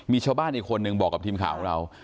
มีชาวบ้านอีกคนนึงบอกกับทีมข่าวของเรา